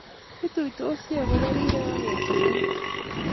Kituitosi akopo rirek ake tang'anyi